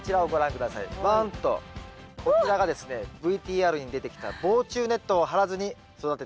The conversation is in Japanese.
こちらがですねＶＴＲに出てきた防虫ネットを張らずに育てたキャベツでございます。